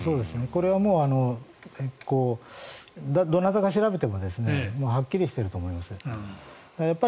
これはどなたが調べてもはっきりしていると思います。